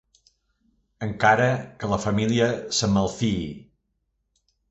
Encara que la família se'n malfiï.